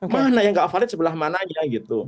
mana yang gak valid sebelah mananya gitu